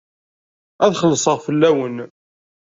Ad xellṣeɣ fell-awen.